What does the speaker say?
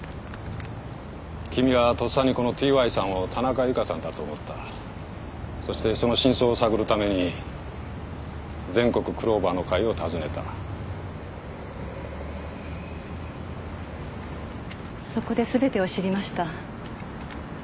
君はとっさにこのＴ・Ｙさんを田中由香さんだと思ったそしてその真相を探るために全国クローバーの会を訪ねたそこですべてを知りました